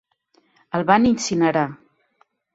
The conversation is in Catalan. El van incinerar.